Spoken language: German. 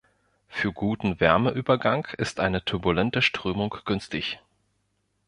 Für guten Wärmeübergang ist eine turbulente Strömung günstig.